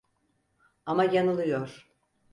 Ama yanılıyor.